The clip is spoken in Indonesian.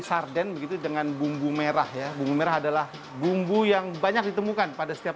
sarden begitu dengan bumbu merah ya bumbu merah adalah bumbu yang banyak ditemukan pada setiap